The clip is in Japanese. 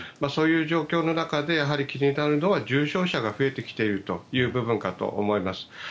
そういう状況の中で気になるのは重症者が増えてきているという部分だと思います。